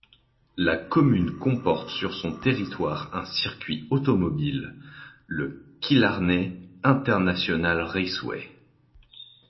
La commune comporte sur son territoire un circuit automobile, le Killarney International Raceway.